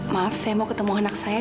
maaf saya mau ketemu anak saya